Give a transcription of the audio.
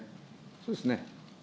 そうですね。